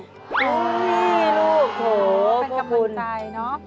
โอ๊ยลูกโถเป็นกระบวนใจเนอะ